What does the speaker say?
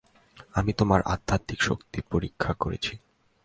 আমি তোমার আধ্যাত্মিক শক্তি পরীক্ষা করেছি।